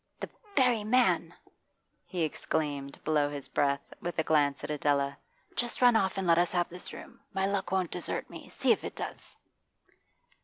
'The very man!' he exclaimed below his breath, with a glance at Adela. 'Just run off and let us have this room. My luck won't desert me, see if it does!